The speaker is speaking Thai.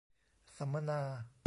สัมมนา